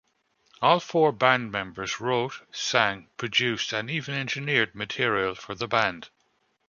All four band members wrote, sang, produced and even engineered material for the band.